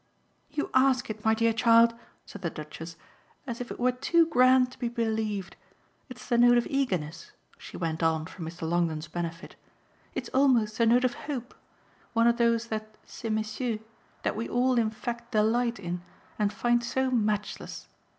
"You ask it, my dear child," said the Duchess, "as if it were too grand to be believed. It's the note of eagerness," she went on for Mr. Longdon's benefit "it's almost the note of hope: one of those that ces messieurs, that we all in fact delight in and find so matchless.